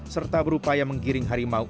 serta berupaya menggiring harimau